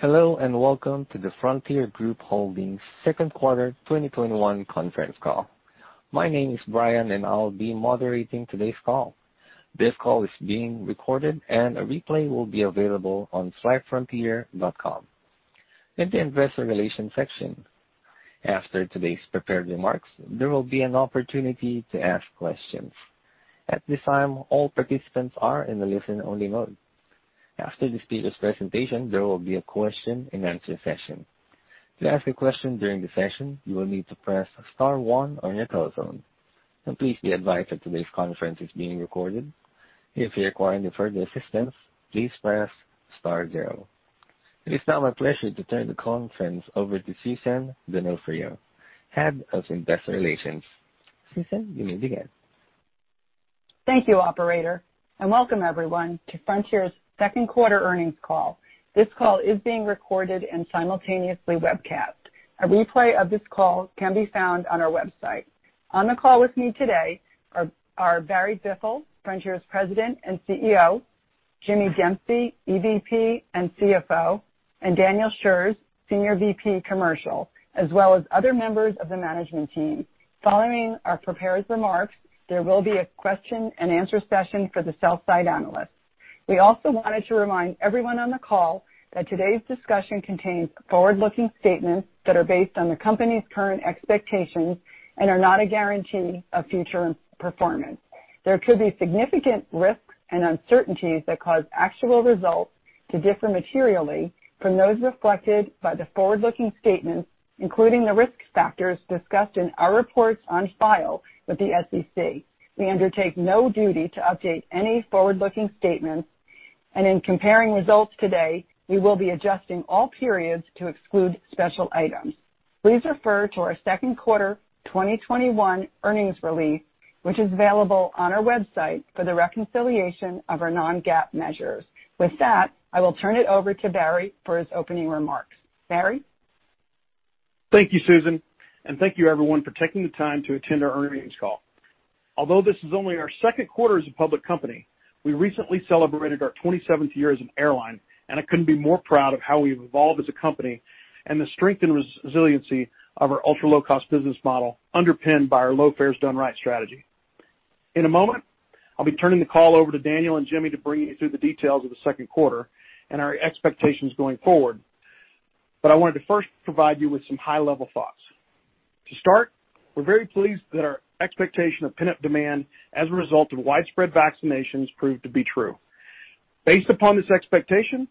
Hello and welcome to the Frontier Group Holdings second quarter 2021 conference call. My name is Brian, and I'll be moderating today's call. This call is being recorded, and a replay will be available on flyfrontier.com in the Investor Relations section. After today's prepared remarks, there will be an opportunity to ask questions. After the speakers' presentation, there will be a question-and-answer session. It is now my pleasure to turn the conference over to Susan Donofrio, Head of Investor Relations. Susan, you may begin. Thank you, operator. Welcome everyone to Frontier's second quarter earnings call. This call is being recorded and simultaneously webcast. A replay of this call can be found on our website. On the call with me today are Barry Biffle, Frontier's President and CEO, Jimmy Dempsey, EVP and CFO, and Daniel Shurz, Senior VP Commercial, as well as other members of the management team. Following our prepared remarks, there will be a question-and-answer session for the sell-side analysts. We also wanted to remind everyone on the call that today's discussion contains forward-looking statements that are based on the company's current expectations and are not a guarantee of future performance. There could be significant risks and uncertainties that cause actual results to differ materially from those reflected by the forward-looking statements, including the risk factors discussed in our reports on file with the SEC. We undertake no duty to update any forward-looking statements, and in comparing results today, we will be adjusting all periods to exclude special items. Please refer to our second quarter 2021 earnings release, which is available on our website for the reconciliation of our non-GAAP measures. With that, I will turn it over to Barry for his opening remarks. Barry? Thank you, Susan. Thank you everyone for taking the time to attend our earnings call. Although this is only our second quarter as a public company, we recently celebrated our 27th year as an airline, and I couldn't be more proud of how we've evolved as a company and the strength and resiliency of our ultra-low-cost business model underpinned by our Low Fares Done Right strategy. In a moment, I'll be turning the call over to Daniel and Jimmy to bring you through the details of the second quarter and our expectations going forward. I wanted to first provide you with some high-level thoughts. To start, we're very pleased that our expectation of pent-up demand as a result of widespread vaccinations proved to be true. Based upon this expectation,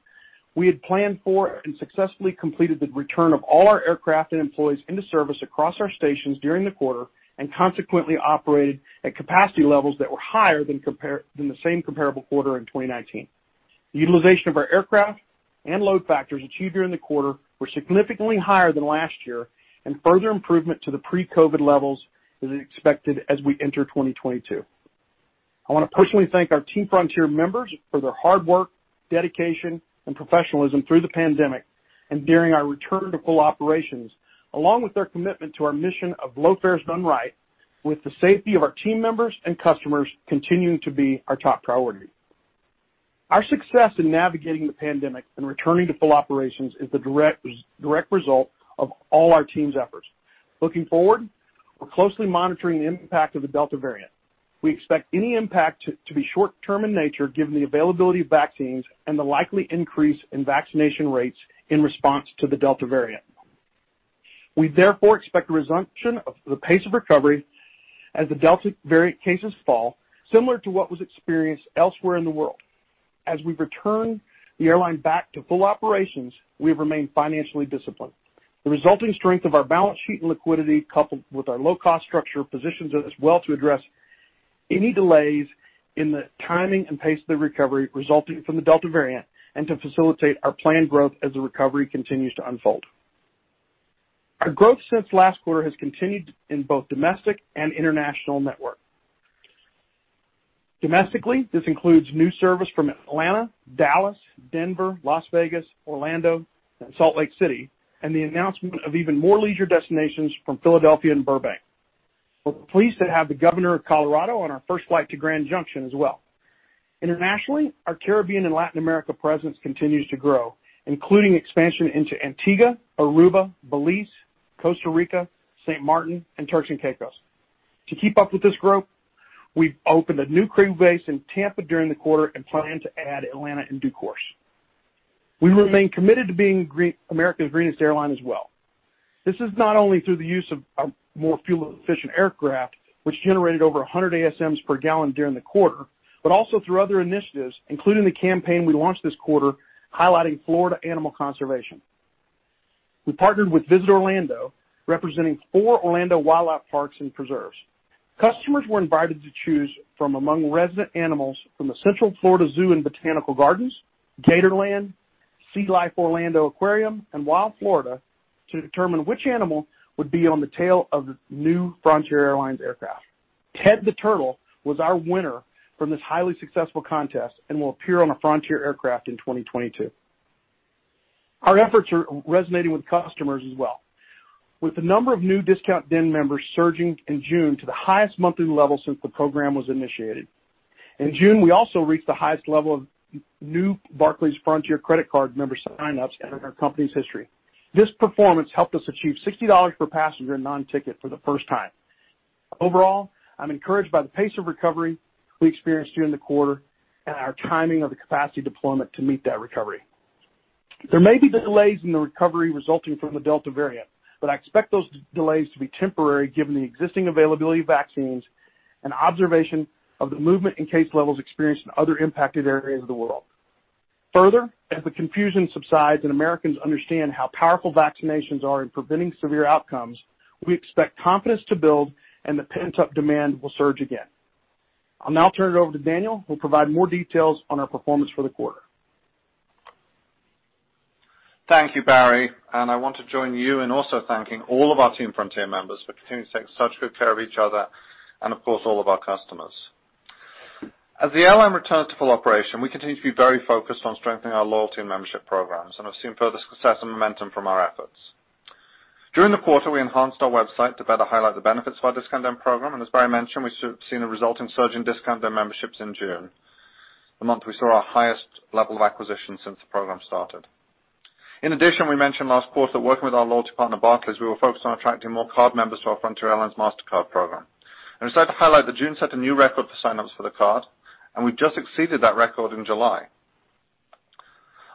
we had planned for and successfully completed the return of all our aircraft and employees into service across our stations during the quarter, and consequently operated at capacity levels that were higher than the same comparable quarter in 2019. The utilization of our aircraft and load factors achieved during the quarter were significantly higher than last year, and further improvement to the pre-COVID levels is expected as we enter 2022. I want to personally thank our Team Frontier members for their hard work, dedication, and professionalism through the pandemic and during our return to full operations, along with their commitment to our mission of Low Fares Done Right, with the safety of our team members and customers continuing to be our top priority. Our success in navigating the pandemic and returning to full operations is the direct result of all our team's efforts. Looking forward, we're closely monitoring the impact of the Delta variant. We expect any impact to be short-term in nature, given the availability of vaccines and the likely increase in vaccination rates in response to the Delta variant. We therefore expect a resumption of the pace of recovery as the Delta variant cases fall, similar to what was experienced elsewhere in the world. As we return the airline back to full operations, we have remained financially disciplined. The resulting strength of our balance sheet and liquidity, coupled with our low-cost structure, positions us well to address any delays in the timing and pace of the recovery resulting from the Delta variant and to facilitate our planned growth as the recovery continues to unfold. Our growth since last quarter has continued in both domestic and international network. Domestically, this includes new service from Atlanta, Dallas, Denver, Las Vegas, Orlando, and Salt Lake City, and the announcement of even more leisure destinations from Philadelphia and Burbank. We're pleased to have the governor of Colorado on our first flight to Grand Junction as well. Internationally, our Caribbean and Latin America presence continues to grow, including expansion into Antigua, Aruba, Belize, Costa Rica, St. Martin, and Turks and Caicos. To keep up with this growth, we've opened a new crew base in Tampa during the quarter and plan to add Atlanta in due course. We remain committed to being America's greenest airline as well. This is not only through the use of our more fuel-efficient aircraft, which generated over 100 ASMs per gallon during the quarter, but also through other initiatives, including the campaign we launched this quarter highlighting Florida animal conservation. We partnered with Visit Orlando, representing four Orlando wildlife parks and preserves. Customers were invited to choose from among resident animals from the Central Florida Zoo & Botanical Gardens, Gatorland, SEA LIFE Orlando Aquarium, and Wild Florida to determine which animal would be on the tail of the new Frontier Airlines aircraft. Ted the Turtle was our winner from this highly successful contest and will appear on a Frontier aircraft in 2022. Our efforts are resonating with customers as well. With the number of new Discount Den members surging in June to the highest monthly level since the program was initiated. In June, we also reached the highest level of new Barclays Frontier Credit Card member sign-ups in our company's history. This performance helped us achieve $60 per passenger non-ticket for the first time. Overall, I'm encouraged by the pace of recovery we experienced during the quarter and our timing of the capacity deployment to meet that recovery. There may be delays in the recovery resulting from the Delta variant, but I expect those delays to be temporary given the existing availability of vaccines and observation of the movement in case levels experienced in other impacted areas of the world. Further, as the confusion subsides and Americans understand how powerful vaccinations are in preventing severe outcomes, we expect confidence to build and the pent-up demand will surge again. I'll now turn it over to Daniel, who will provide more details on our performance for the quarter. Thank you, Barry. I want to join you in also thanking all of our Team Frontier members for continuing to take such good care of each other and of course all of our customers. As the airline returns to full operation, we continue to be very focused on strengthening our loyalty and membership programs and have seen further success and momentum from our efforts. During the quarter, we enhanced our website to better highlight the benefits of our Discount Den program, and as Barry mentioned, we've seen a result in surge in Discount Den memberships in June, the month we saw our highest level of acquisition since the program started. In addition, we mentioned last quarter that working with our loyalty partner, Barclays, we were focused on attracting more card members to our Frontier Airlines Mastercard program. I'm excited to highlight that June set a new record for sign-ups for the card, and we've just exceeded that record in July.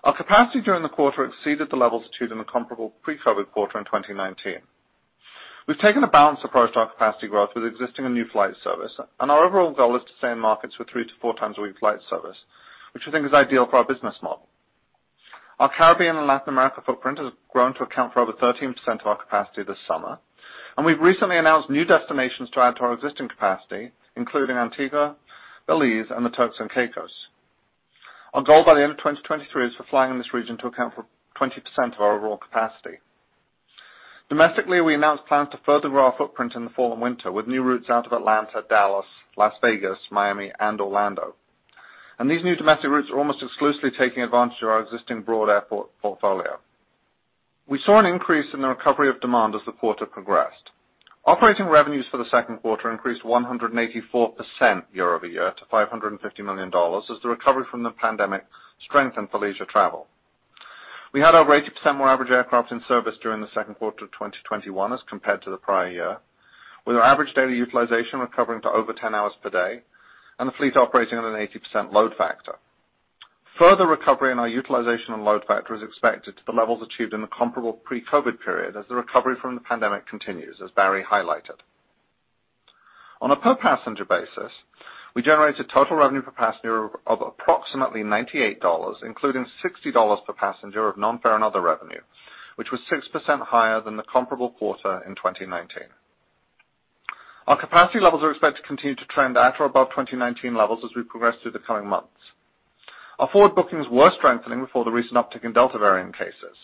Our capacity during the quarter exceeded the levels achieved in the comparable pre-COVID quarter in 2019. We've taken a balanced approach to our capacity growth with existing and new flight service, and our overall goal is to stay in markets with three to four times a week flight service, which we think is ideal for our business model. Our Caribbean and Latin America footprint has grown to account for over 13% of our capacity this summer, and we've recently announced new destinations to add to our existing capacity, including Antigua, Belize, and the Turks and Caicos. Our goal by the end of 2023 is for flying in this region to account for 20% of our overall capacity. Domestically, we announced plans to further grow our footprint in the fall and winter with new routes out of Atlanta, Dallas, Las Vegas, Miami, and Orlando. These new domestic routes are almost exclusively taking advantage of our existing broad airport portfolio. We saw an increase in the recovery of demand as the quarter progressed. Operating revenues for the second quarter increased 184% year-over-year to $550 million as the recovery from the pandemic strengthened for leisure travel. We had over 80% more average aircraft in service during the second quarter of 2021 as compared to the prior year, with our average daily utilization recovering to over 10 hours per day and the fleet operating at an 80% load factor. Further recovery in our utilization and load factor is expected to the levels achieved in the comparable pre-COVID period as the recovery from the pandemic continues, as Barry highlighted. On a per-passenger basis, we generated total revenue per passenger of approximately $98, including $60 per passenger of non-fare and other revenue, which was 6% higher than the comparable quarter in 2019. Our capacity levels are expected to continue to trend at or above 2019 levels as we progress through the coming months. Our forward bookings were strengthening before the recent uptick in Delta variant cases.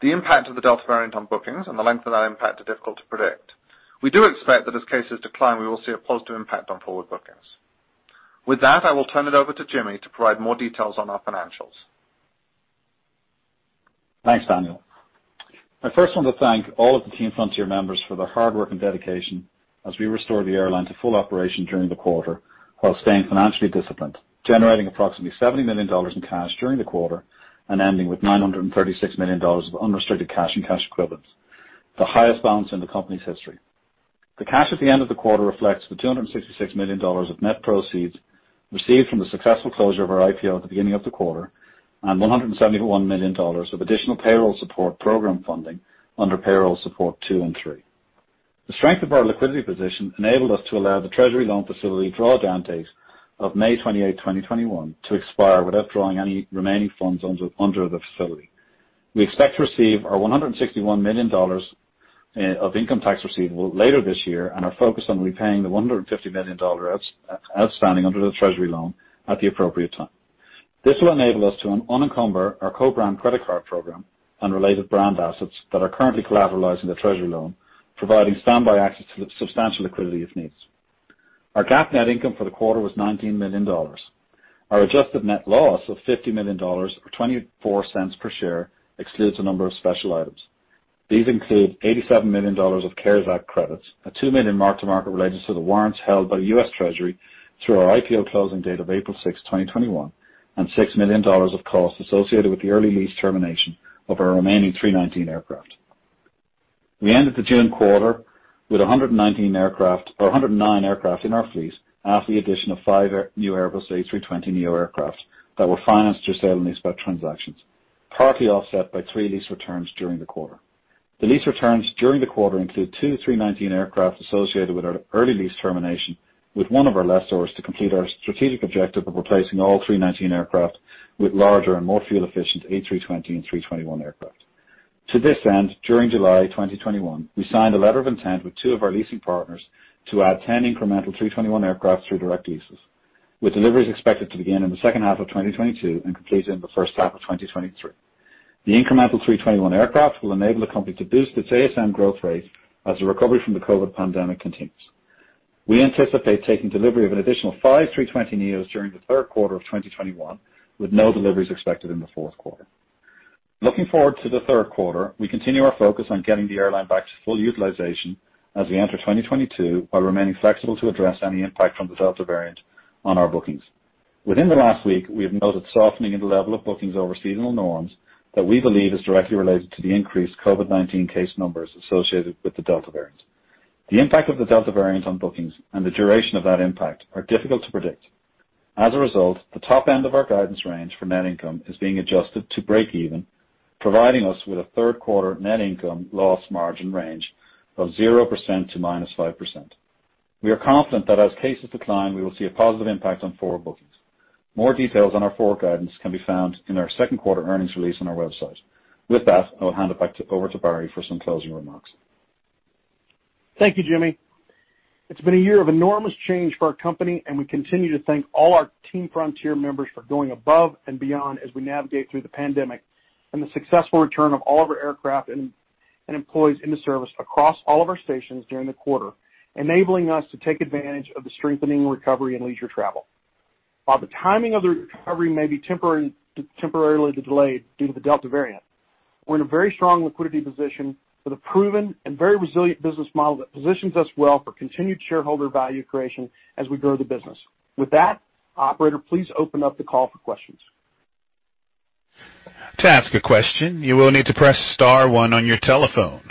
The impact of the Delta variant on bookings and the length of that impact are difficult to predict. We do expect that as cases decline, we will see a positive impact on forward bookings. With that, I will turn it over to Jimmy to provide more details on our financials. Thanks, Daniel. I first want to thank all of the Team Frontier members for their hard work and dedication as we restore the airline to full operation during the quarter while staying financially disciplined, generating approximately $70 million in cash during the quarter and ending with $936 million of unrestricted cash and cash equivalents, the highest balance in the company's history. The cash at the end of the quarter reflects the $266 million of net proceeds received from the successful closure of our IPO at the beginning of the quarter and $171 million of additional Payroll Support Program funding under Payroll Support Program II and III. The strength of our liquidity position enabled us to allow the Treasury loan facility draw down date of May 28, 2021 to expire without drawing any remaining funds under the facility. We expect to receive our $161 million of income tax receivable later this year and are focused on repaying the $150 million outstanding under the Treasury loan at the appropriate time. This will enable us to unencumber our co-brand credit card program and related brand assets that are currently collateralized in the Treasury loan, providing standby access to substantial liquidity if needs. Our GAAP net income for the quarter was $19 million. Our adjusted net loss of $50 million or $0.24 per share excludes a number of special items. These include $87 million of CARES Act credits, a $2 million mark to market related to the warrants held by U.S. Treasury through our IPO closing date of April 6, 2021, and $6 million of costs associated with the early lease termination of our remaining A319 aircraft. We ended the June quarter with 119 aircraft or 109 aircraft in our fleet after the addition of five new Airbus A320neo aircraft that were financed through sale and leaseback transactions, partly offset by three lease returns during the quarter. The lease returns during the quarter include two A319 aircraft associated with our early lease termination with one of our lessors to complete our strategic objective of replacing all A319 aircraft with larger and more fuel-efficient A320 and A321 aircraft. To this end, during July 2021, we signed a letter of intent with two of our leasing partners to add 10 incremental A321 aircraft through direct leases, with deliveries expected to begin in the second half of 2022 and completed in the first half of 2023. The incremental A321 aircraft will enable the company to boost its ASM growth rate as the recovery from the COVID pandemic continues. We anticipate taking delivery of an additional five A320neos during the third quarter of 2021, with no deliveries expected in the fourth quarter. Looking forward to the third quarter, we continue our focus on getting the airline back to full utilization as we enter 2022, while remaining flexible to address any impact from the Delta variant on our bookings. Within the last week, we have noted softening in the level of bookings over seasonal norms that we believe is directly related to the increased COVID-19 case numbers associated with the Delta variant. The impact of the Delta variant on bookings and the duration of that impact are difficult to predict. As a result, the top end of our guidance range for net income is being adjusted to breakeven, providing us with a third quarter net income loss margin range of 0% to -5%. We are confident that as cases decline, we will see a positive impact on forward bookings. More details on our forward guidance can be found in our second quarter earnings release on our website. I will hand it back over to Barry for some closing remarks. Thank you, Jimmy. It's been a year of enormous change for our company, and we continue to thank all our Team Frontier members for going above and beyond as we navigate through the pandemic, and the successful return of all of our aircraft and employees into service across all of our stations during the quarter, enabling us to take advantage of the strengthening recovery in leisure travel. While the timing of the recovery may be temporarily delayed due to the Delta variant, we're in a very strong liquidity position with a proven and very resilient business model that positions us well for continued shareholder value creation as we grow the business. With that, operator, please open up the call for questions. To ask a question, you will need to press *1 on your telephone.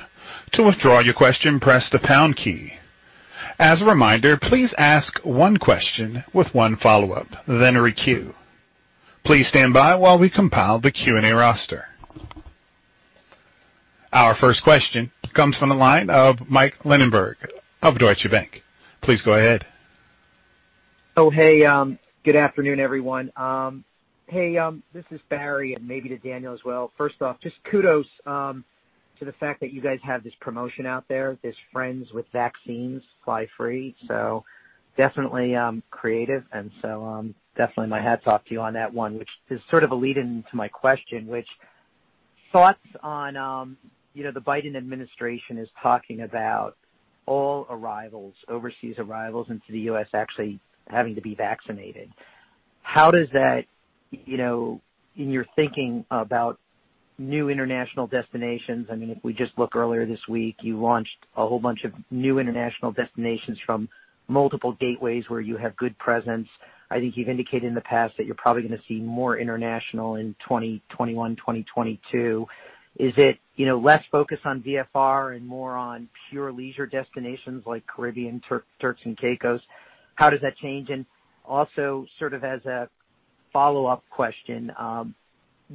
To withdraw your question, press the # key. As a reminder, please ask one question with one follow-up, then queue. Please stand by while we compile the Q&A roster. Our first question comes from the line of Mike Linenberg of Deutsche Bank. Please go ahead. Oh, hey. Good afternoon, everyone. Hey, this is Barry, and maybe to Daniel as well. First off, just kudos to the fact that you guys have this promotion out there, this Friends With Vaccines Fly Free. Definitely creative, and so definitely my hats off to you on that one, which is sort of a lead-in to my question, which, thoughts on the Biden administration is talking about all arrivals, overseas arrivals into the U.S. actually having to be vaccinated? How does that, in your thinking about new international destinations, if we just look earlier this week, you launched a whole bunch of new international destinations from multiple gateways where you have good presence. I think you've indicated in the past that you're probably going to see more international in 2021, 2022. Is it less focused on VFR and more on pure leisure destinations like Caribbean, Turks and Caicos? How does that change? Also, sort of as a follow-up question,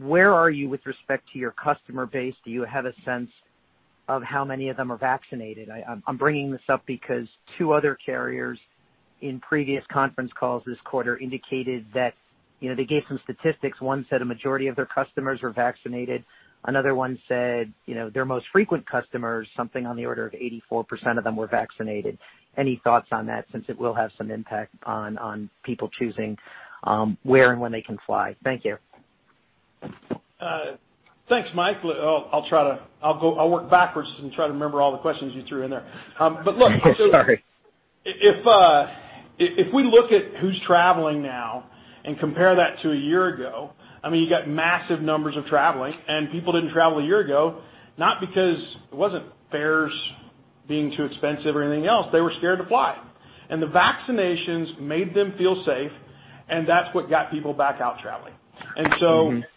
where are you with respect to your customer base? Do you have a sense of how many of them are vaccinated? I'm bringing this up because two other carriers in previous conference calls this quarter indicated that they gave some statistics. One said a majority of their customers were vaccinated. Another one said their most frequent customers, something on the order of 84% of them were vaccinated. Any thoughts on that, since it will have some impact on people choosing where and when they can fly? Thank you. Thanks, Mike. I'll work backwards and try to remember all the questions you threw in there. Sorry. If we look at who's traveling now and compare that to a year ago, you've got massive numbers of traveling, and people didn't travel a year ago, not because it wasn't fares being too expensive or anything else. They were scared to fly, and the vaccinations made them feel safe, and that's what got people back out traveling.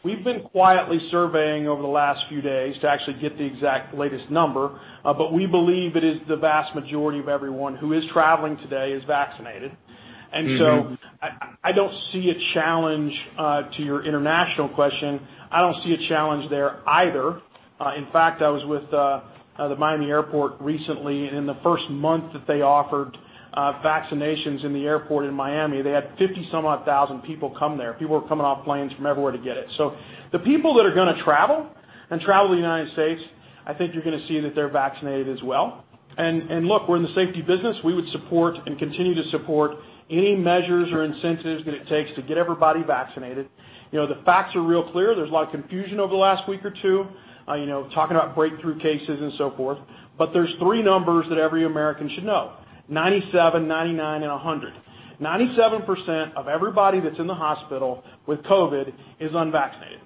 We've been quietly surveying over the last few days to actually get the exact latest number, but we believe it is the vast majority of everyone who is traveling today is vaccinated. I don't see a challenge, to your international question, I don't see a challenge there either. In fact, I was with the Miami Airport recently, and in the first month that they offered vaccinations in the airport in Miami, they had 50,000 people come there. People were coming off planes from everywhere to get it. The people that are going to travel and travel to the U.S., I think you're going to see that they're vaccinated as well. Look, we're in the safety business. We would support and continue to support any measures or incentives that it takes to get everybody vaccinated. The facts are real clear. There's a lot of confusion over the last week or two, talking about breakthrough cases and so forth, but there's three numbers that every American should know, 97, 99, and 100. 97% of everybody that's in the hospital with COVID is unvaccinated.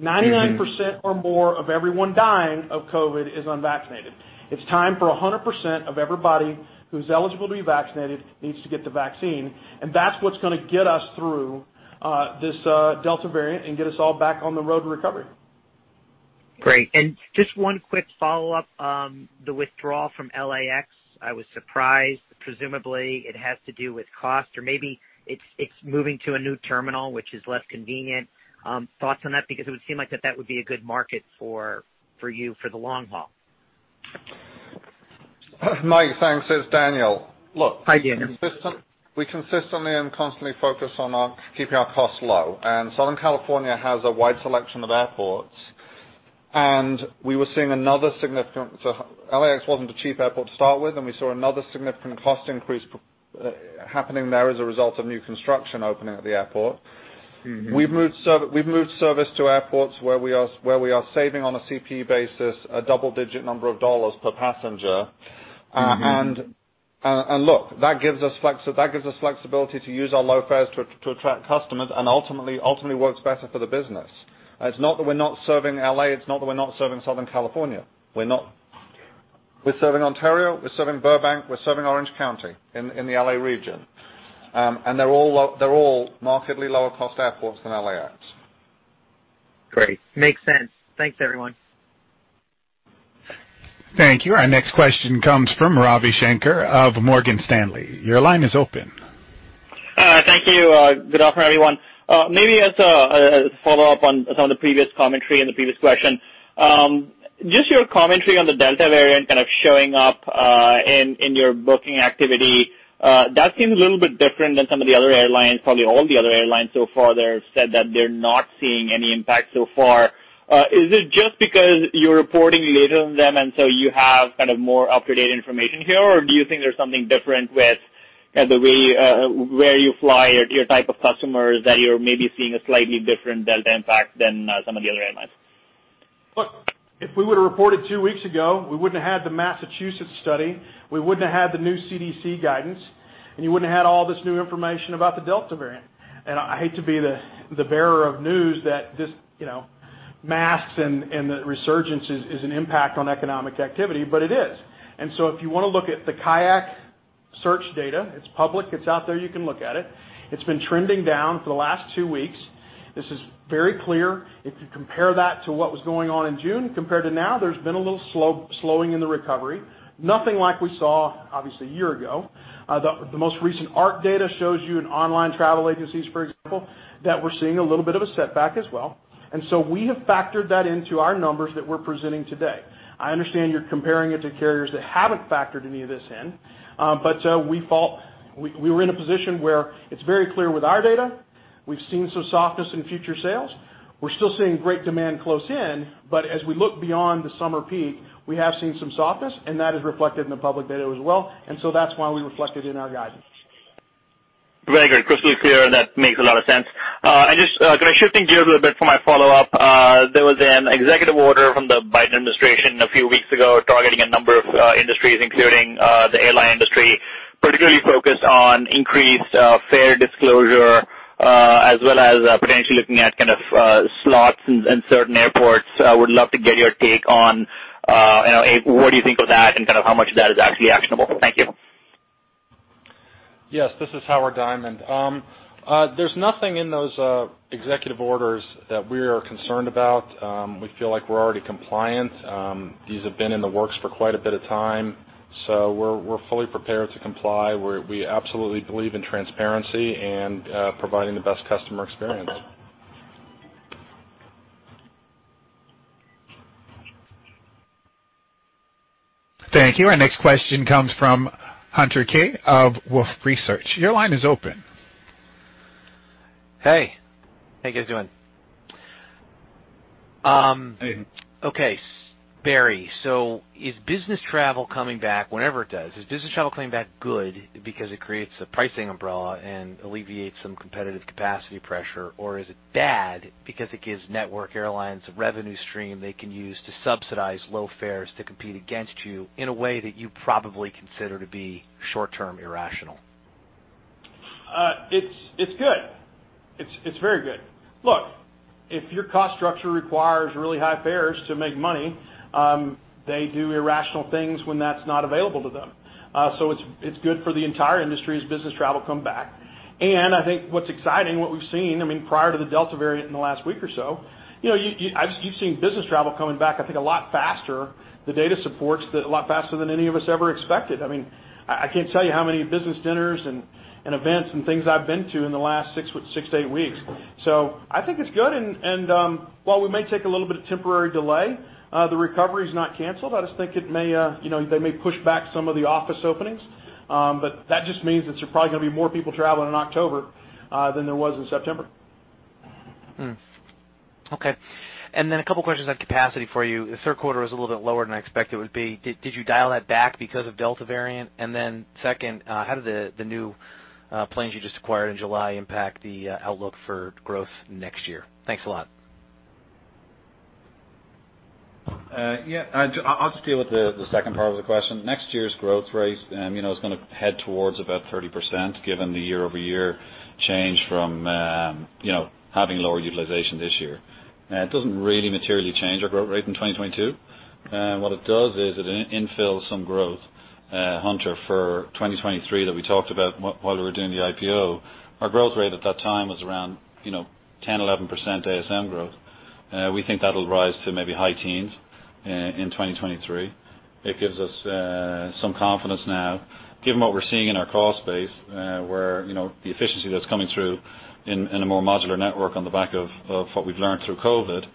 99% or more of everyone dying of COVID is unvaccinated. It's time for 100% of everybody who's eligible to be vaccinated needs to get the vaccine, and that's what's going to get us through this Delta variant and get us all back on the road to recovery. Great. Just one quick follow-up. The withdrawal from LAX, I was surprised. Presumably, it has to do with cost or maybe it's moving to a new terminal, which is less convenient. Thoughts on that? It would seem like that that would be a good market for you for the long haul. Mike, thanks. It's Daniel. Hi, Daniel. We consistently and constantly focus on keeping our costs low. Southern California has a wide selection of airports. LAX wasn't a cheap airport to start with, and we saw another significant cost increase happening there as a result of new construction opening at the airport. We've moved service to airports where we are saving on a CASM basis, a double-digit number of dollars per passenger. Look, that gives us flexibility to use our low fares to attract customers and ultimately works better for the business. It's not that we're not serving L.A., it's not that we're not serving Southern California. We're serving Ontario, we're serving Burbank, we're serving Orange County in the L.A. region. They're all markedly lower-cost airports than LAX. Great. Makes sense. Thanks, everyone. Thank you. Our next question comes from Ravi Shanker of Morgan Stanley. Your line is open. Thank you. Good afternoon, everyone. Maybe as a follow-up on some of the previous commentary in the previous question. Just your commentary on the Delta variant kind of showing up in your booking activity. That seems a little bit different than some of the other airlines, probably all the other airlines so far that have said that they're not seeing any impact so far. Is it just because you're reporting later than them, and so you have kind of more up-to-date information here, or do you think there's something different with the way where you fly or your type of customers that you're maybe seeing a slightly different Delta impact than some of the other airlines? Look, if we would've reported two weeks ago, we wouldn't have had the Massachusetts study, we wouldn't have had the new CDC guidance, you wouldn't have had all this new information about the Delta variant. I hate to be the bearer of news that this masks and the resurgence is an impact on economic activity, but it is. If you want to look at the Kayak search data, it's public, it's out there, you can look at it. It's been trending down for the last two weeks. This is very clear. If you compare that to what was going on in June compared to now, there's been a little slowing in the recovery. Nothing like we saw, obviously, a year ago. The most recent ARC data shows you in online travel agencies, for example, that we're seeing a little bit of a setback as well. We have factored that into our numbers that we're presenting today. I understand you're comparing it to carriers that haven't factored any of this in. We were in a position where it's very clear with our data. We've seen some softness in future sales. We're still seeing great demand close in, but as we look beyond the summer peak, we have seen some softness, and that is reflected in the public data as well. That's why we reflect it in our guidance. Very good. Crystal clear. That makes a lot of sense. Just kind of shifting gears a little bit for my follow-up. There was an executive order from the Biden administration a few weeks ago targeting a number of industries, including the airline industry, particularly focused on increased fare disclosure, as well as potentially looking at kind of slots in certain airports. I would love to get your take on what do you think of that and kind of how much of that is actually actionable. Thank you. Yes. This is Howard Diamond. There's nothing in those executive orders that we are concerned about. We feel like we're already compliant. These have been in the works for quite a bit of time, so we're fully prepared to comply. We absolutely believe in transparency and providing the best customer experience. Thank you. Our next question comes from Hunter Keay of Wolfe Research. Your line is open. Hey. How you guys doing? Hey. Okay. Barry, is business travel coming back, whenever it does, is business travel coming back good because it creates a pricing umbrella and alleviates some competitive capacity pressure? Or is it bad because it gives network airlines a revenue stream they can use to subsidize low fares to compete against you in a way that you probably consider to be short-term irrational? It's good. It's very good. Look, if your cost structure requires really high fares to make money, they do irrational things when that's not available to them. It's good for the entire industry as business travel come back. I think what's exciting, what we've seen, prior to the Delta variant in the last week or so, you've seen business travel coming back, I think a lot faster. The data supports that a lot faster than any of us ever expected. I can't tell you how many business dinners and events and things I've been to in the last six to eight weeks. I think it's good, and while we may take a little bit of temporary delay, the recovery is not canceled. I just think they may push back some of the office openings. That just means that there's probably going to be more people traveling in October, than there was in September. Okay. A couple questions on capacity for you. The third quarter was a little bit lower than I expected it would be. Did you dial that back because of Delta variant? Second, how did the new planes you just acquired in July impact the outlook for growth next year? Thanks a lot. I'll just deal with the second part of the question. Next year's growth rate is going to head towards about 30%, given the year-over-year change from having lower utilization this year. It doesn't really materially change our growth rate in 2022. What it does is it infills some growth, Hunter, for 2023 that we talked about while we were doing the IPO. Our growth rate at that time was around 10%-11% ASM growth. We think that'll rise to maybe high teens in 2023. It gives us some confidence now, given what we're seeing in our cost base, where the efficiency that's coming through in a more modular network on the back of what we've learned through COVID,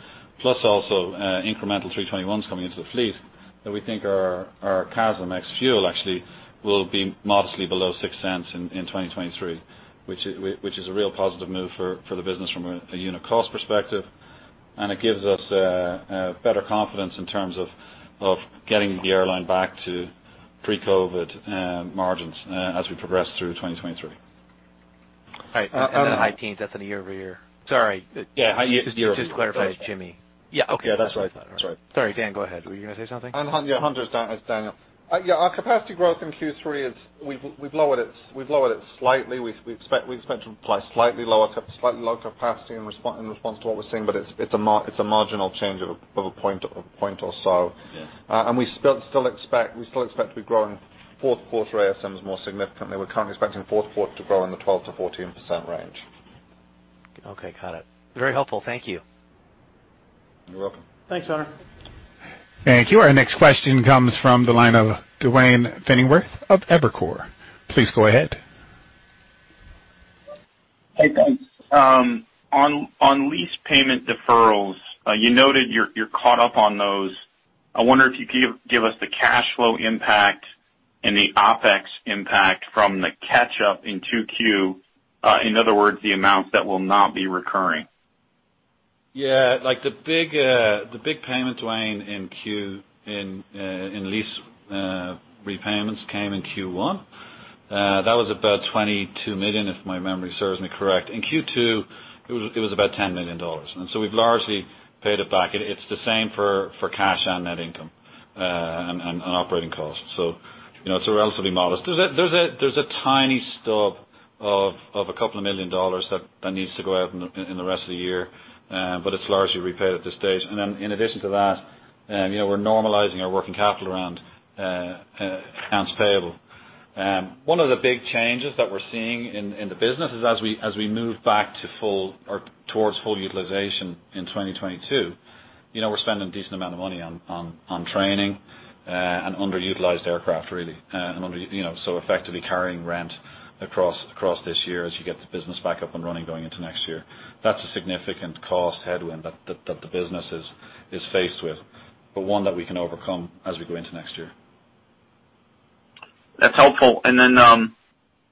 plus also incremental A321s coming into the fleet, that we think our CASM ex-fuel actually will be modestly below $0.06 in 2023, which is a real positive move for the business from a unit cost perspective. It gives us better confidence in terms of getting the airline back to pre-COVID margins as we progress through 2023. All right. Then high teens, that's in a year-over-year? Sorry. Yeah, high year-over-year. Just to clarify, Jimmy. Yeah, okay. Yeah, that's right. Sorry, Dan, go ahead. Were you going to say something? Yeah, Hunter Keay, it's Daniel Shurz. Our capacity growth in Q3, we've lowered it slightly. We expect to apply slightly low capacity in response to what we're seeing, but it's a marginal change of a point or so. Yeah. We still expect to be growing fourth quarter ASMs more significantly. We're currently expecting fourth quarter to grow in the 12%-14% range. Okay, got it. Very helpful. Thank you. You're welcome. Thanks, Hunter. Thank you. Our next question comes from the line of Duane Pfennigwerth of Evercore. Please go ahead. Hey, guys. On lease payment deferrals, you noted you're caught up on those. I wonder if you could give us the cash flow impact and the OpEx impact from the catch-up in 2Q. In other words, the amount that will not be recurring. The big payment, Duane, in lease repayments came in Q1. That was about $22 million, if my memory serves me correct. In Q2, it was about $10 million. We've largely paid it back. It's the same for cash on net income and operating costs. There's a tiny stub of a couple of million dollars that needs to go out in the rest of the year. It's largely repaid at this stage. In addition to that, we're normalizing our working capital around accounts payable. One of the big changes that we're seeing in the business is as we move back towards full utilization in 2022, we're spending a decent amount of money on training and underutilized aircraft, really. Effectively carrying rent across this year as you get the business back up and running going into next year. That's a significant cost headwind that the business is faced with, but one that we can overcome as we go into next year. That's helpful.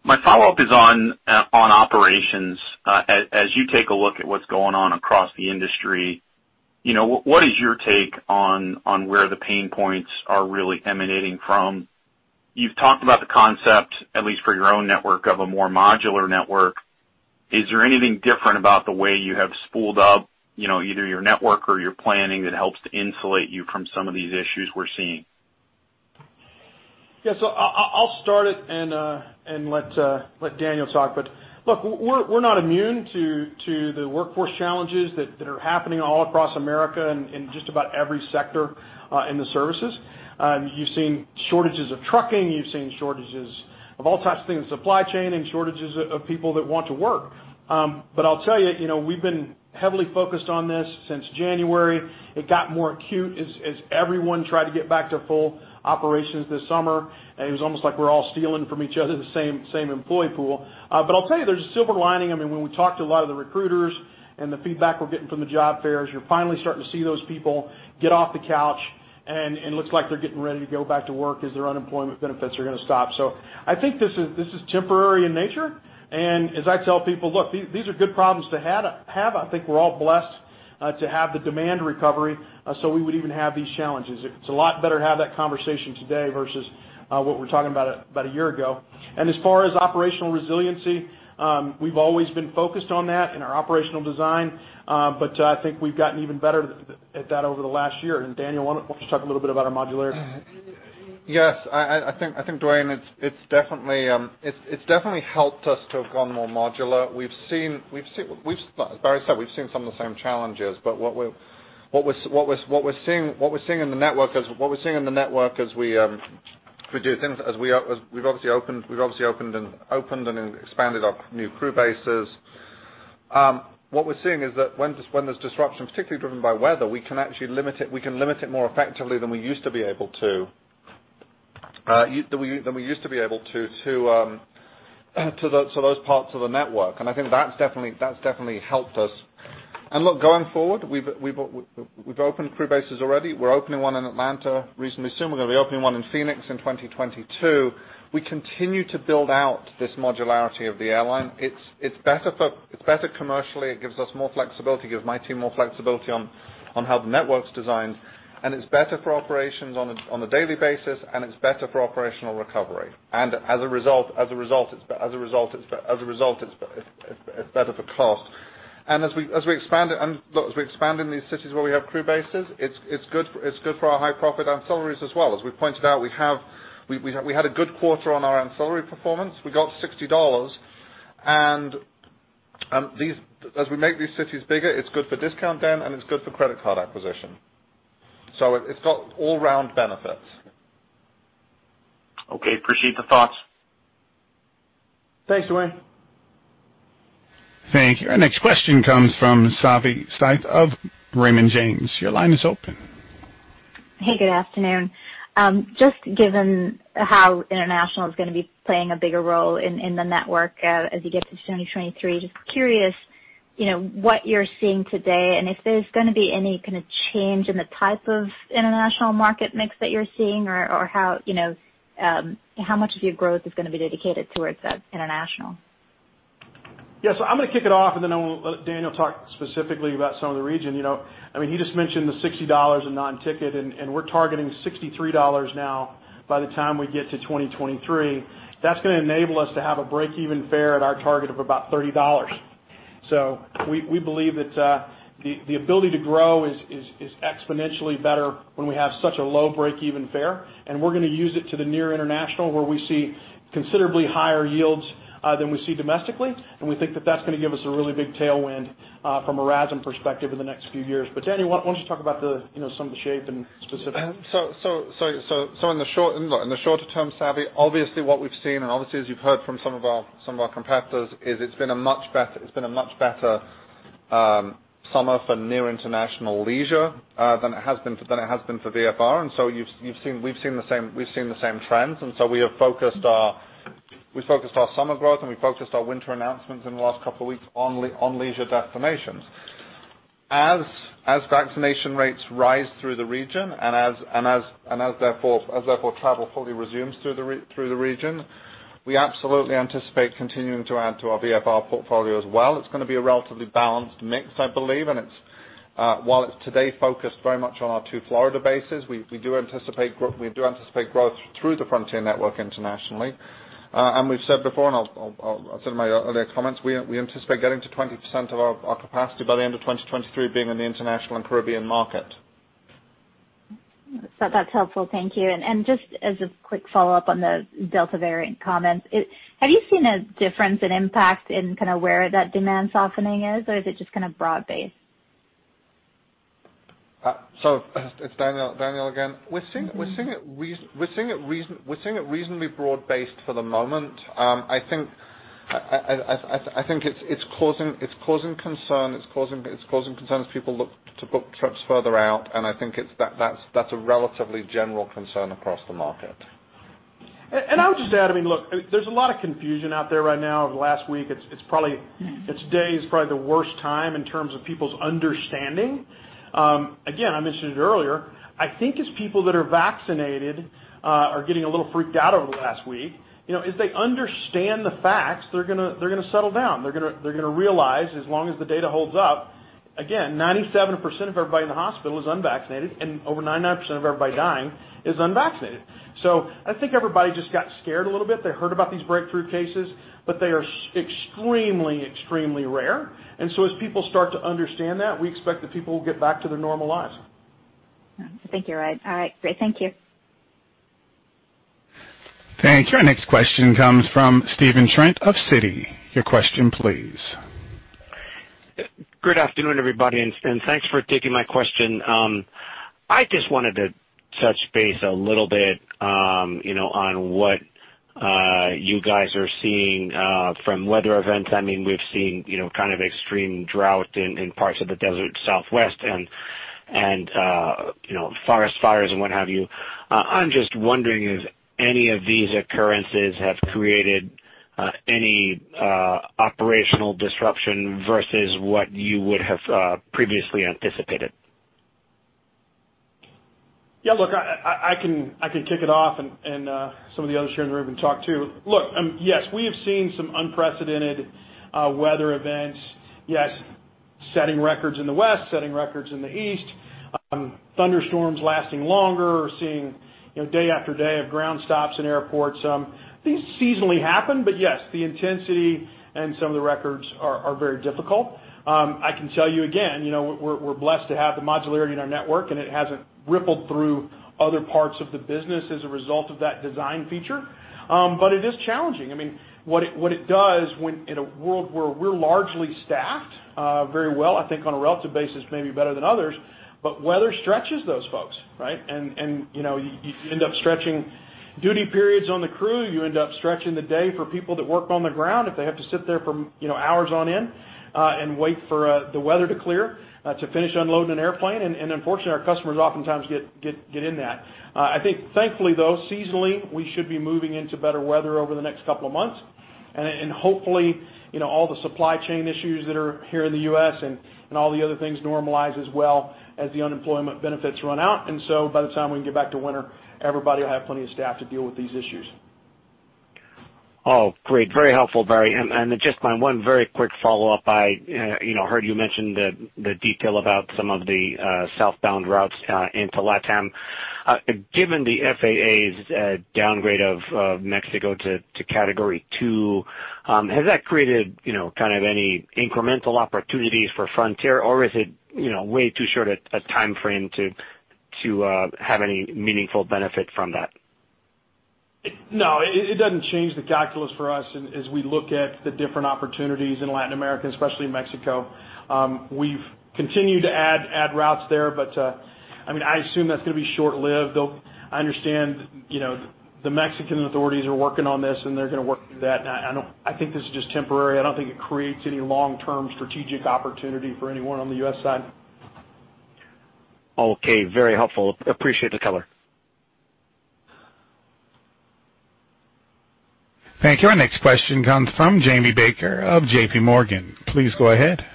My follow-up is on operations. As you take a look at what's going on across the industry, what is your take on where the pain points are really emanating from? You've talked about the concept, at least for your own network, of a more modular network. Is there anything different about the way you have spooled up, either your network or your planning that helps to insulate you from some of these issues we're seeing? I'll start it and let Daniel talk. Look, we're not immune to the workforce challenges that are happening all across America in just about every sector in the services. You've seen shortages of trucking, you've seen shortages of all types of things, supply chain and shortages of people that want to work. I'll tell you, we've been heavily focused on this since January. It got more acute as everyone tried to get back to full operations this summer. It was almost like we're all stealing from each other, the same employee pool. I'll tell you, there's a silver lining. When we talk to a lot of the recruiters and the feedback we're getting from the job fairs, you're finally starting to see those people get off the couch, and it looks like they're getting ready to go back to work as their unemployment benefits are going to stop. I think this is temporary in nature, and as I tell people, look, these are good problems to have. I think we're all blessed to have the demand recovery, so we would even have these challenges. It's a lot better to have that conversation today versus what we were talking about a year ago. As far as operational resiliency, we've always been focused on that in our operational design. I think we've gotten even better at that over the last year. Daniel, why don't you talk a little bit about our modularity? Yes. I think, Duane, it's definitely helped us to have gone more modular. As Barry said, we've seen some of the same challenges, but what we're seeing in the network as we do things, as we've obviously opened and expanded our new crew bases. What we're seeing is that when there's disruption, particularly driven by weather, we can limit it more effectively than we used to be able to those parts of the network. I think that's definitely helped us. Look, going forward, we've opened crew bases already. We're opening one in Atlanta reasonably soon. We're going to be opening one in Phoenix in 2022. We continue to build out this modularity of the airline. It's better commercially. It gives us more flexibility, it gives my team more flexibility on how the network's designed, and it's better for operations on a daily basis, and it's better for operational recovery. As a result, it's better for cost. As we expand in these cities where we have crew bases, it's good for our high profit ancillaries as well. As we pointed out, we had a good quarter on our ancillary performance. We got $60. As we make these cities bigger, it's good for Discount Den, and it's good for credit card acquisition. It's got all-round benefits. Okay. Appreciate the thoughts. Thanks, Duane. Thank you. Our next question comes from Savi Syth of Raymond James. Your line is open. Hey, good afternoon. Just given how international is going to be playing a bigger role in the network as you get to 2023, just curious what you're seeing today and if there's going to be any kind of change in the type of international market mix that you're seeing or how much of your growth is going to be dedicated towards that international? Yes. I'm going to kick it off, and then I'll let Daniel talk specifically about some of the region. He just mentioned the $60 in non-ticket, and we're targeting $63 now by the time we get to 2023. That's going to enable us to have a break-even fare at our target of about $30. We believe that the ability to grow is exponentially better when we have such a low break-even fare, and we're going to use it to the near international where we see considerably higher yields, than we see domestically. We think that that's going to give us a really big tailwind from a RASM perspective in the next few years. Daniel, why don't you talk about some of the shape and specifics? In the shorter term, Savi, obviously what we've seen, and obviously as you've heard from some of our competitors, is it's been a much better summer for near international leisure than it has been for VFR. We've seen the same trends. We have focused our summer growth and we focused our winter announcements in the last couple of weeks on leisure destinations. As vaccination rates rise through the region, and as therefore travel fully resumes through the region, we absolutely anticipate continuing to add to our VFR portfolio as well. It's going to be a relatively balanced mix, I believe. While it's today focused very much on our two Florida bases, we do anticipate growth through the Frontier network internationally. We've said before, and I'll say it in my earlier comments, we anticipate getting to 20% of our capacity by the end of 2023 being in the international and Caribbean market. That's helpful. Thank you. Just as a quick follow-up on the Delta variant comments, have you seen a difference in impact in kind of where that demand softening is, or is it just kind of broad based? It's Daniel again. We're seeing it reasonably broad based for the moment. I think it's causing concern as people look to book trips further out, and I think that's a relatively general concern across the market. I would just add, look, there's a lot of confusion out there right now over the last week. Today is probably the worst time in terms of people's understanding. Again, I mentioned it earlier, I think it's people that are vaccinated are getting a little freaked out over the last week. If they understand the facts, they're going to settle down. They're going to realize as long as the data holds up, again, 97% of everybody in the hospital is unvaccinated, and over 99% of everybody dying is unvaccinated. I think everybody just got scared a little bit. They heard about these breakthrough cases, but they are extremely rare. As people start to understand that, we expect that people will get back to their normal lives. Thank you. All right, great. Thank you. Thank you. Our next question comes from Stephen Trent of Citi. Your question, please. Good afternoon, everybody, and thanks for taking my question. I just wanted to touch base a little bit, on what you guys are seeing from weather events. We've seen kind of extreme drought in parts of the desert Southwest and forest fires and what have you. I'm just wondering if any of these occurrences have created any operational disruption versus what you would have previously anticipated. Yeah, look, I can kick it off and some of the others here in the room can talk too. Yes, we have seen some unprecedented weather events. Setting records in the West, setting records in the East, thunderstorms lasting longer, seeing day after day of ground stops in airports. These seasonally happen, yes, the intensity and some of the records are very difficult. I can tell you again, we're blessed to have the modularity in our network, and it hasn't rippled through other parts of the business as a result of that design feature. It is challenging. What it does in a world where we're largely staffed very well, I think on a relative basis, maybe better than others, weather stretches those folks, right? You end up stretching duty periods on the crew. You end up stretching the day for people that work on the ground if they have to sit there for hours on end, and wait for the weather to clear to finish unloading an airplane. Unfortunately, our customers oftentimes get in that. I think thankfully, though, seasonally, we should be moving into better weather over the next couple of months. Hopefully, all the supply chain issues that are here in the U.S. and all the other things normalize as well as the unemployment benefits run out. By the time we can get back to winter, everybody will have plenty of staff to deal with these issues. Oh, great. Very helpful, Barry. Just my one very quick follow-up. I heard you mention the detail about some of the southbound routes into LATAM. Given the FAA's downgrade of Mexico to Category 2, has that created kind of any incremental opportunities for Frontier, or is it way too short a timeframe to have any meaningful benefit from that? No, it doesn't change the calculus for us as we look at the different opportunities in Latin America, especially in Mexico. We've continued to add routes there, but I assume that's going to be short-lived. I understand the Mexican authorities are working on this, and they're going to work through that. I think this is just temporary. I don't think it creates any long-term strategic opportunity for anyone on the U.S. side. Okay. Very helpful. Appreciate the color. Thank you. Our next question comes from Jamie Baker of JPMorgan. Please go ahead.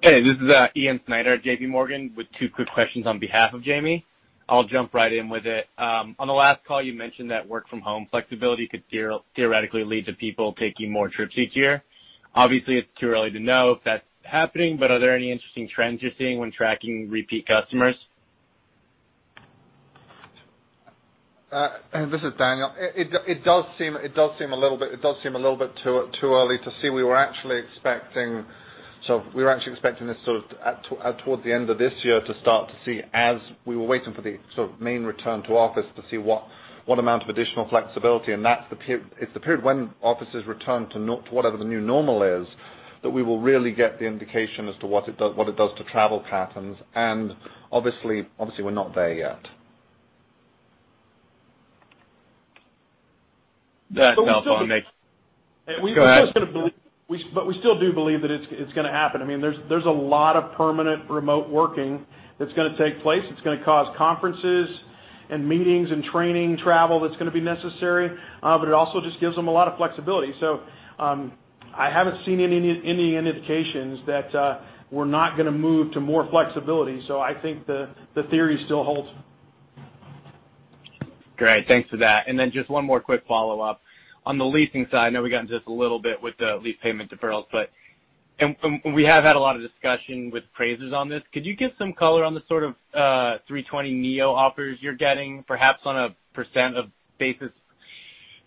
Hey, this is Ian Snyder at JPMorgan with two quick questions on behalf of Jamie. I'll jump right in with it. On the last call, you mentioned that work from home flexibility could theoretically lead to people taking more trips each year. Obviously, it's too early to know if that's happening, but are there any interesting trends you're seeing when tracking repeat customers? This is Daniel. It does seem a little bit too early to see. We were actually expecting this toward the end of this year to start to see, as we were waiting for the main return to office to see what amount of additional flexibility. It's the period when offices return to whatever the new normal is, that we will really get the indication as to what it does to travel patterns, and obviously, we're not there yet. That's helpful. Thanks. Go ahead. We still do believe that it's going to happen. There's a lot of permanent remote working that's going to take place. It's going to cause conferences and meetings and training travel that's going to be necessary. It also just gives them a lot of flexibility. I haven't seen any indications that we're not going to move to more flexibility. I think the theory still holds. Great. Thanks for that. Then just one more quick follow-up. On the leasing side, I know we got into this a little bit with the lease payment deferrals. We have had a lot of discussion with Pratt & Whitney on this. Could you give some color on the sort of A320neo offers you're getting, perhaps on a percentage basis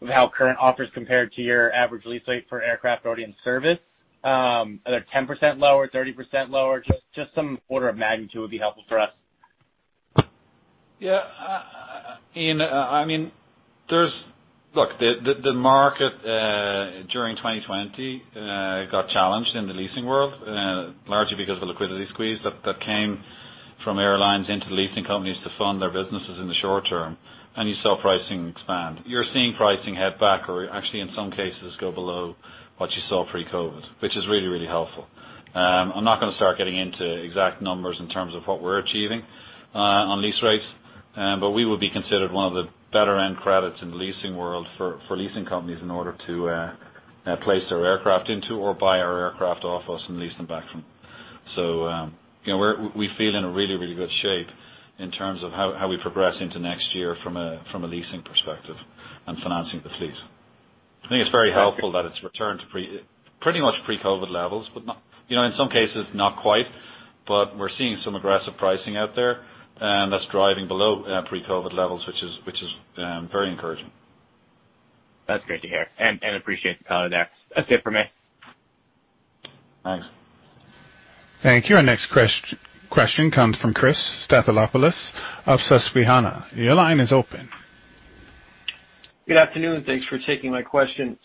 of how current offers compare to your average lease rate for aircraft already in service? Are they 10% lower, 30% lower? Just some order of magnitude would be helpful for us. Yeah. Ian, look, the market during 2020 got challenged in the leasing world largely because of the liquidity squeeze that came from airlines into the leasing companies to fund their businesses in the short term. You saw pricing expand. You're seeing pricing head back or actually in some cases go below what you saw pre-COVID, which is really helpful. I'm not going to start getting into exact numbers in terms of what we're achieving on lease rates. We would be considered one of the better end credits in the leasing world for leasing companies in order to place their aircraft into or buy our aircraft off us and lease them back from. We feel in really good shape in terms of how we progress into next year from a leasing perspective and financing the fleet. I think it's very helpful that it's returned to pretty much pre-COVID levels, in some cases, not quite, but we're seeing some aggressive pricing out there, and that's driving below pre-COVID levels, which is very encouraging. That's great to hear and appreciate the color there. That's it for me. Thanks. Thank you. Our next question comes from Chris Stathoulopoulos of Susquehanna. Good afternoon. Thanks for taking my question.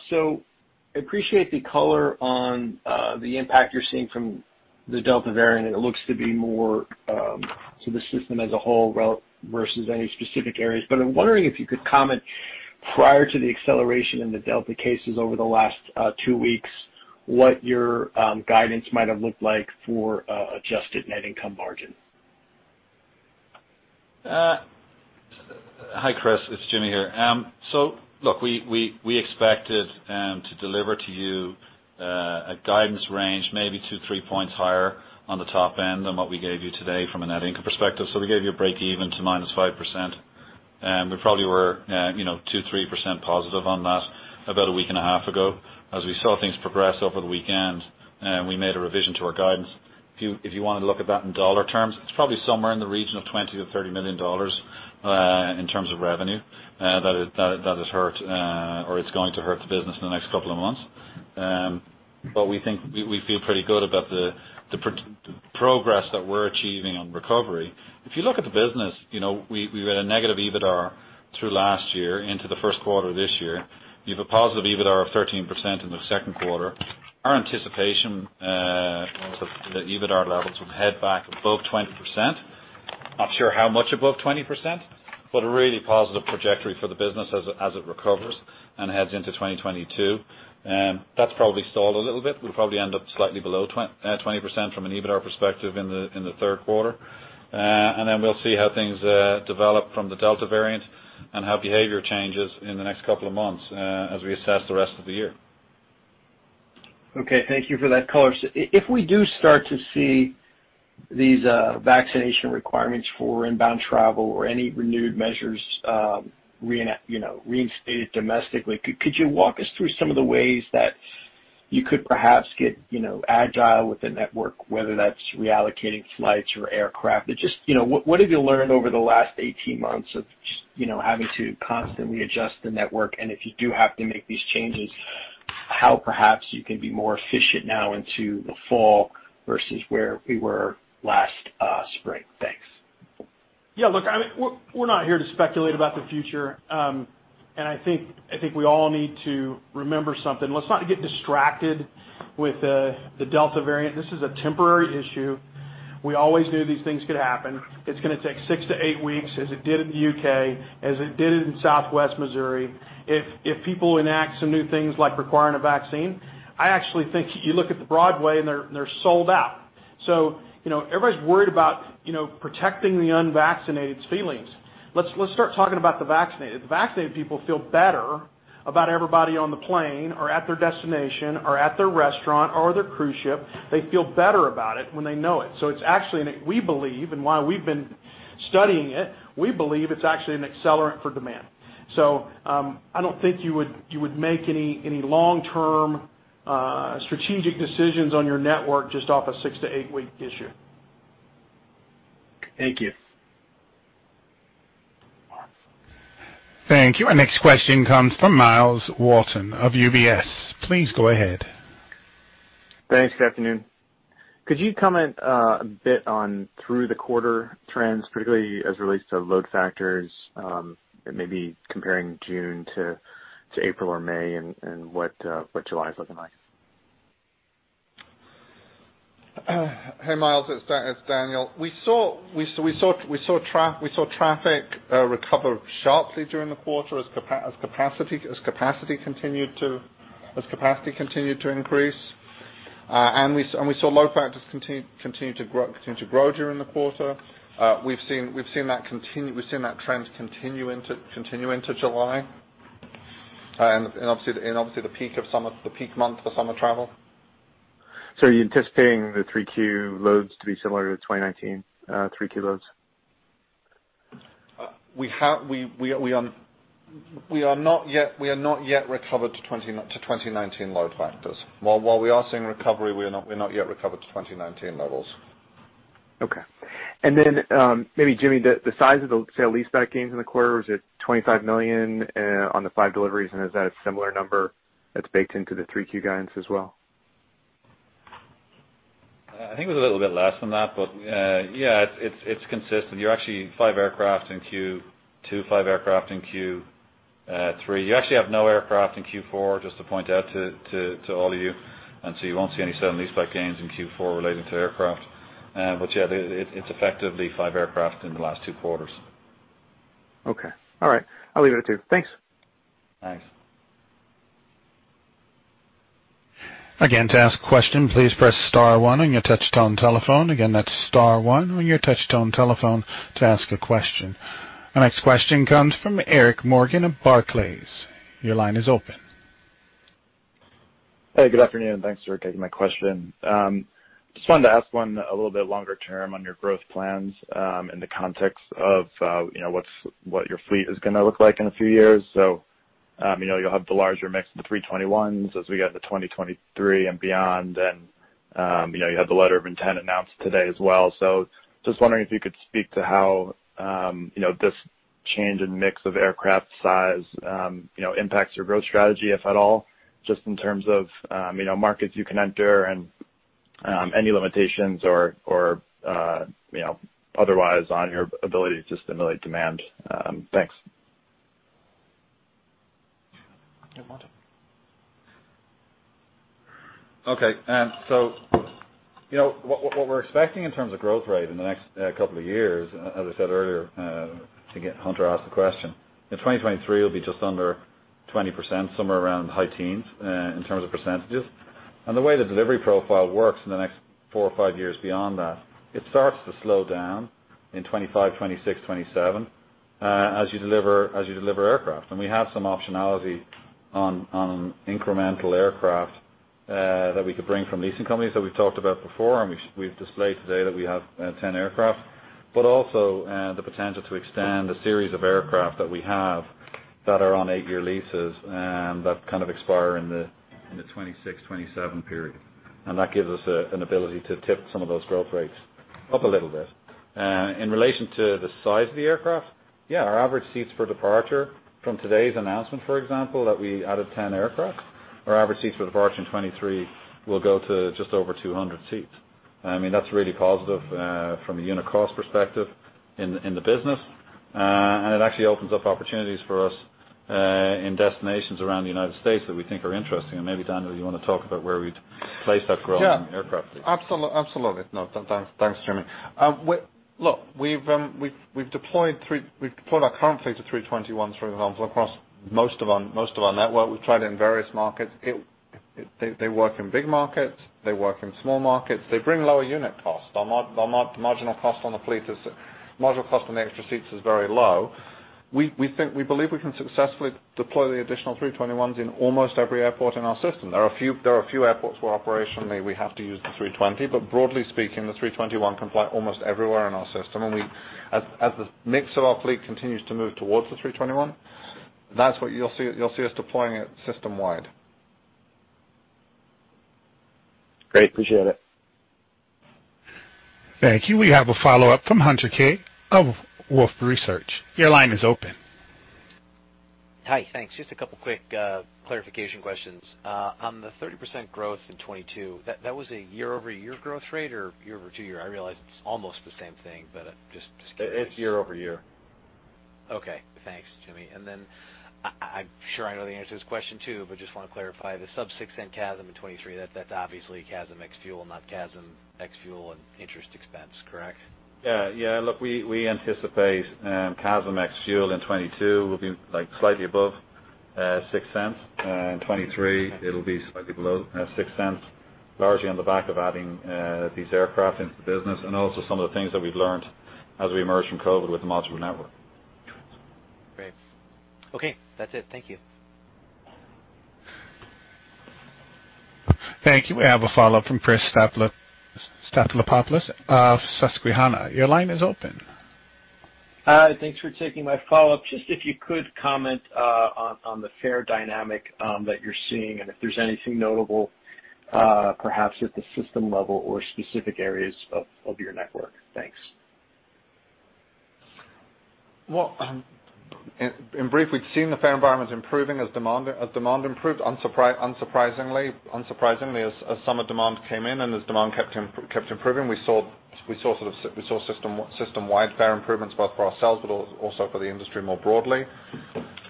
Appreciate the color on the impact you're seeing from the Delta variant. It looks to be more, so the system as a whole versus any specific areas. I'm wondering if you could comment prior to the acceleration in the Delta cases over the last two weeks, what your guidance might have looked like for adjusted net income margin? Hi, Chris. It's Jimmy here. We expected to deliver to you a guidance range maybe 2, 3 points higher on the top end than what we gave you today from a net income perspective. We gave you a break even to -5%, and we probably were 2%, 3% positive on that about a week and a half ago. As we saw things progress over the weekend, we made a revision to our guidance. If you want to look at that in dollar terms, it's probably somewhere in the region of $20 million-$30 million in terms of revenue that it hurt, or it's going to hurt the business in the next couple of months. We feel pretty good about the progress that we're achieving on recovery. If you look at the business, we've had a negative EBITDAR through last year into the first quarter of this year. You have a positive EBITDAR of 13% in the second quarter. Our anticipation is that the EBITDAR levels will head back above 20%. Not sure how much above 20%, but a really positive trajectory for the business as it recovers and heads into 2022. That's probably stalled a little bit. We'll probably end up slightly below 20% from an EBITDAR perspective in the third quarter. We'll see how things develop from the Delta variant and how behavior changes in the next couple of months as we assess the rest of the year. Okay. Thank you for that color. If we do start to see these vaccination requirements for inbound travel or any renewed measures reinstated domestically, could you walk us through some of the ways that you could perhaps get agile with the network, whether that's reallocating flights or aircraft? What have you learned over the last 18 months of just having to constantly adjust the network? If you do have to make these changes, how perhaps you can be more efficient now into the fall versus where we were last spring? Thanks. Yeah, look, we're not here to speculate about the future. I think we all need to remember something. Let's not get distracted with the Delta variant. This is a temporary issue. We always knew these things could happen. It's going to take six to eight weeks as it did in the U.K., as it did in Southwest Missouri. If people enact some new things like requiring a vaccine, I actually think you look at the Broadway and they're sold out. Everybody's worried about protecting the unvaccinated's feelings. Let's start talking about the vaccinated. The vaccinated people feel better. About everybody on the plane or at their destination or at their restaurant or their cruise ship, they feel better about it when they know it. We believe, and while we've been studying it, we believe it's actually an accelerant for demand. I don't think you would make any long-term, strategic decisions on your network just off a six to eight-week issue. Thank you. Thank you. Our next question comes from Myles Walton of UBS. Please go ahead. Thanks. Good afternoon. Could you comment a bit on through the quarter trends, particularly as it relates to load factors, and maybe comparing June to April or May and what July is looking like? Hey, Myles, it's Daniel. We saw traffic recover sharply during the quarter as capacity continued to increase. We saw load factors continue to grow during the quarter. We've seen that trend continue into July, and obviously the peak month for summer travel. Are you anticipating the 3Q loads to be similar to the 2019 3Q loads? We are not yet recovered to 2019 load factors. While we are seeing recovery, we're not yet recovered to 2019 levels. Okay. Maybe Jimmy, the size of the sale-leaseback gains in the quarter, was it $25 million on the five deliveries, and is that a similar number that's baked into the 3Q guidance as well? I think it was a little bit less than that, but yeah, it's consistent. You're actually five aircraft in Q2, five aircraft in Q3. You actually have no aircraft in Q4, just to point out to all of you. You won't see any sale-leaseback gains in Q4 relating to aircraft. Yeah, it's effectively five aircraft in the last two quarters. Okay. All right. I'll leave it at two. Thanks. Thanks. To ask a question, please press star one on your touch-tone telephone. Again, that's star one on your touch-tone telephone to ask a question. Our next question comes from Eric Morgan of Barclays. Your line is open. Hey, good afternoon. Thanks for taking my question. Just wanted to ask one a little bit longer term on your growth plans, in the context of what your fleet is going to look like in a few years. You'll have the larger mix of the A321s as we get to 2023 and beyond. You have the letter of intent announced today as well. Just wondering if you could speak to how this change in mix of aircraft size impacts your growth strategy, if at all, just in terms of markets you can enter and any limitations or otherwise on your ability to stimulate demand. Thanks. What we're expecting in terms of growth rate in the next couple of years, as I said earlier, I think Hunter asked the question, in 2023 will be just under 20%, somewhere around high teens, in terms of percentages. The way the delivery profile works in the next four or five years beyond that, it starts to slow down in 2025, 2026, 2027, as you deliver aircraft. We have some optionality on incremental aircraft that we could bring from leasing companies that we've talked about before, and we've displayed today that we have 10 aircraft, but also the potential to extend a series of aircraft that we have that are on eight-year leases and that kind of expire in the 2026, 2027 period. That gives us an ability to tip some of those growth rates up a little bit. In relation to the size of the aircraft, yeah, our average seats for departure from today's announcement, for example, that we added 10 aircraft, our average seats for departure in 2023 will go to just over 200 seats. That's really positive from a unit cost perspective in the business. It actually opens up opportunities for us in destinations around the U.S. that we think are interesting. Maybe, Daniel, you want to talk about where we'd place that growth in aircraft. Yeah. Absolutely. No. Thanks, Jimmy. Look, we've deployed our current fleet of 321s, for example, across most of our network. We've tried it in various markets. They work in big markets. They work in small markets. They bring lower unit costs. The marginal cost on the extra seats is very low. We believe we can successfully deploy the additional 321s in almost every airport in our system. There are a few airports where operationally we have to use the 320, but broadly speaking, the A321 can fly almost everywhere in our system. As the mix of our fleet continues to move towards the A321, that's what you'll see us deploying system-wide. Great. Appreciate it. Thank you. We have a follow-up from Hunter Keay of Wolfe Research. Your line is open. Hi. Thanks. Just a couple of quick clarification questions. On the 30% growth in 2022, that was a year-over-year growth rate or year over two year? I realize it's almost the same thing. It's year-over-year. Okay. Thanks, Jimmy. I'm sure I know the answer to this question, too, but just want to clarify. The sub $0.06 CASM in 2023, that's obviously CASM ex fuel, not CASM ex fuel and interest expense, correct? Yeah. Look, we anticipate CASM ex-fuel in 2022 will be slightly above $0.06. In 2023, it'll be slightly below $0.06. Largely on the back of adding these aircraft into the business and also some of the things that we've learned as we emerge from COVID with the modular network. Great. Okay, that's it. Thank you. Thank you. We have a follow-up from Chris Stathoulopoulos of Susquehanna. Your line is open. Thanks for taking my follow-up. Just if you could comment on the fare dynamic that you're seeing and if there's anything notable perhaps at the system level or specific areas of your network. Thanks. In brief, we've seen the fare environment improving as demand improved, unsurprisingly. As summer demand came in and as demand kept improving, we saw system-wide fare improvements, both for ourselves but also for the industry more broadly.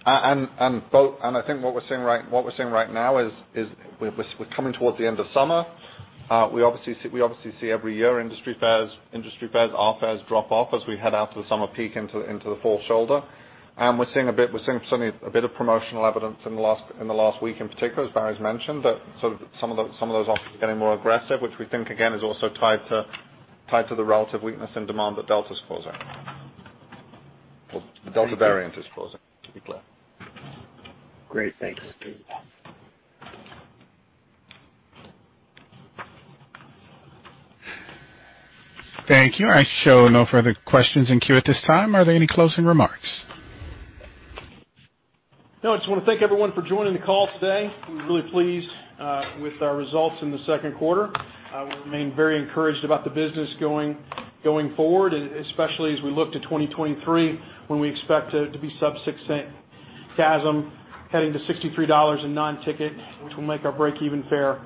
I think what we're seeing right now is we're coming towards the end of summer. We obviously see every year industry fares, our fares drop off as we head out of the summer peak into the fall shoulder. We're seeing certainly a bit of promotional evidence in the last week, in particular, as Barry's mentioned, that some of those offers are getting more aggressive, which we think again is also tied to the relative weakness in demand that Delta's causing. The Delta variant is causing, to be clear. Great. Thanks. Thank you. I show no further questions in queue at this time. Are there any closing remarks? No, I just want to thank everyone for joining the call today. I'm really pleased with our results in the second quarter. We remain very encouraged about the business going forward, especially as we look to 2023 when we expect to be sub $0.06 CASM heading to $63 in non-ticket, which will make our break-even fare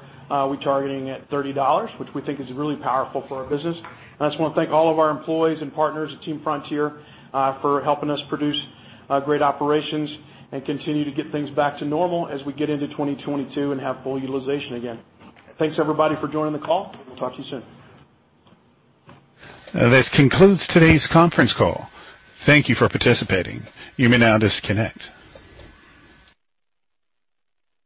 we're targeting at $30, which we think is really powerful for our business. I just want to thank all of our employees and partners at Team Frontier for helping us produce great operations and continue to get things back to normal as we get into 2022 and have full utilization again. Thanks everybody for joining the call. We'll talk to you soon. This concludes today's conference call. Thank you for participating. You may now disconnect.